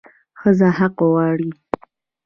ښځه حق غواړي